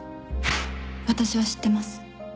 私は知ってます